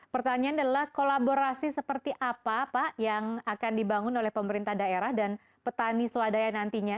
pertanyaan adalah kolaborasi seperti apa pak yang akan dibangun oleh pemerintah daerah dan petani swadaya nantinya